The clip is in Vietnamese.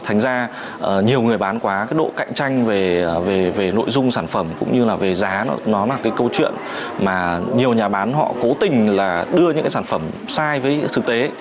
thành ra nhiều người bán quá cái độ cạnh tranh về nội dung sản phẩm cũng như là về giá nó là cái câu chuyện mà nhiều nhà bán họ cố tình là đưa những cái sản phẩm sai với thực tế